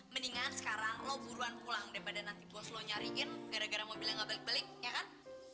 mendingan sekarang lo buruan pulang daripada nanti bos lo nyariin gara gara mobilnya nggak balik balik ya kan